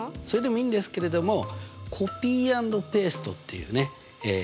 それでもいいんですけれどもコピー＆ペーストっていうね